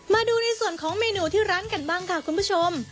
มาดูในส่วนของเมนูที่ร้านกันบ้างค่ะคุณผู้ชม